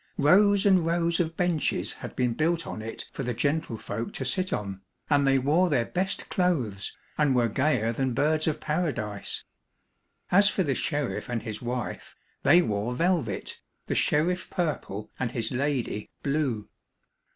Rows and rows of benches had been built on it for the gentlefolk to sit on, and they wore their best clothes and were gayer than birds of paradise. As for the sheriff and his wife, they wore velvet, the sheriff purple and his lady blue.